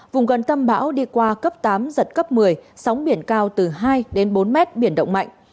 vùng gần tâm bão đi qua cấp tám giật cấp một mươi sóng biển cao từ hai đến bốn mét biển động mạnh